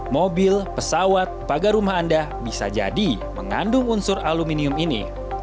mobil pesawat pagar rumah anda bisa jadi mengandung unsur aluminium ini